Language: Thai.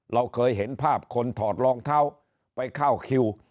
เราเคยเห็นภาพคนถอดรองเท้าไปเข้าคิว